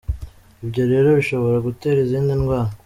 Ibyo rero bishobora gutera izindi ndwara.